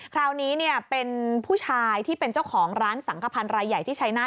คราวนี้เป็นผู้ชายที่เป็นเจ้าของร้านสังขพันธ์รายใหญ่ที่ชัยนาธ